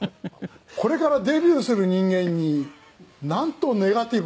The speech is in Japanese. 「これからデビューする人間になんとネガティブな」